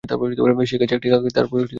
সেই গাছে একটি কাক তার পরিবার নিয়ে সুখে থাকত।